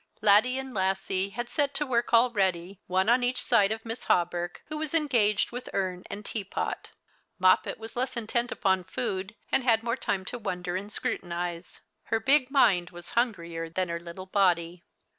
Laddie and Lassie had set to work already, one on each side of Miss Hawberk, who was engaged with urn and teapot. Moppet was less intent upon food, and had more time to wonder and scrutinize. Her big mind was hungrier than her little body.